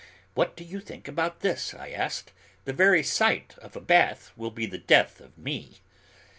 "What do you think about this?" I asked. "The very sight of a bath will be the death of me."